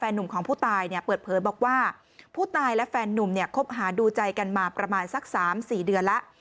หนุ่มของผู้ตายเนี่ยเปิดเผยบอกว่าผู้ตายและแฟนนุ่มเนี่ยคบหาดูใจกันมาประมาณสัก๓๔เดือนแล้ว